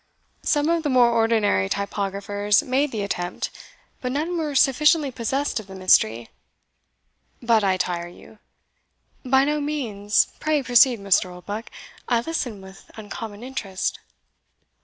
Some of the more ordinary typographers made the attempt: but none were sufficiently possessed of the mystery But I tire you." "By no means; pray, proceed, Mr. Oldbuck I listen with uncommon interest."